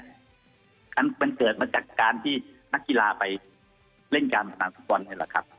มันเกิดมาจากการที่นักกีฬาไปเล่นการพนันฟุตบอลนี่แหละครับ